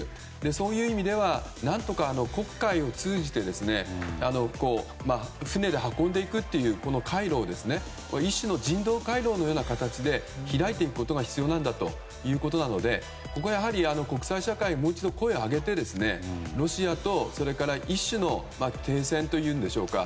そういう意味では何とか黒海を通じて船で運んでいくという回路を一種の人道回廊のような形で開いていくことが必要なんだということなのでここはやはり国際社会がもう一度声を上げてロシアと一種の停戦というんでしょうか